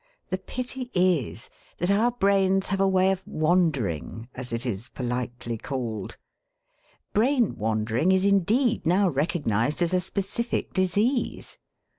The pity is that our brains have a way of 'wandering,' as it is politely called. Brain wandering is indeed now recognised as a specific disease.